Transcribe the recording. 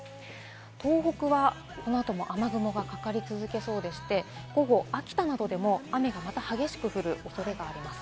東北はこの後も雨雲がかかり続けそうでして、午後、秋田などでも雨がまた激しく降るおそれがあります。